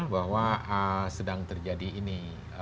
bahwa sedang terjadi ini